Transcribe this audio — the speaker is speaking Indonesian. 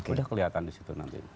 sudah kelihatan di situ nanti